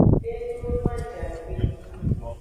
E do no ajagbe.